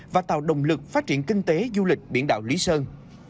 và tạo động lực phát triển kinh tế du lịch biển đảo lý sơn